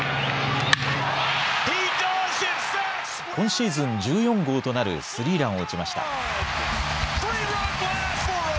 今シーズン１４号となるスリーランを打ちました。